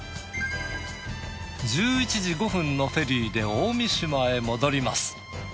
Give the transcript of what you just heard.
１１時５分のフェリーで大三島へ戻ります。